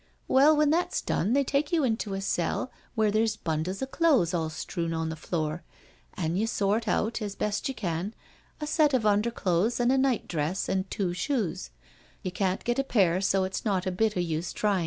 " Well, when that's done they take you into a cell where there's bundles of clothes all strewn on the floor, an' you sort out, as best you can, a set of underclothes and a nightdress and two shoes — you can't get a pair, so it's not a bit o' use tryin'.